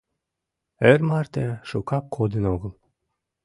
Эр марте шукак кодын огыл.